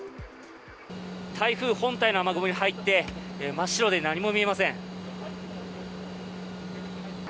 台風本体の雨雲に入って、真っ白で何も見えません。